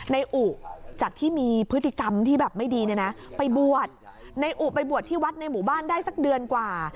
ในอุจากที่มีพฤติกรรมที่แบบไม่ดีเนี่ยนะไปบวชในอุไปบวชที่วัดในหมู่บ้านได้สักเดือนกว่า